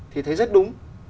thì thấy rất đúng